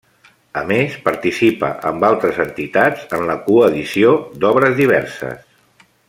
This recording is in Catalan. A més, participa amb altres entitats en la coedició d'obres diverses.